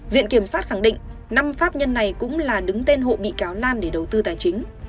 viện kiểm sát khẳng định năm pháp nhân này cũng là đứng tên hộ bị cáo lan để đầu tư tài chính